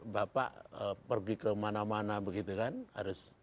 bapak pergi ke mana mana begitu kan harus